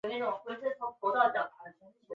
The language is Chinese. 官位是大藏大辅。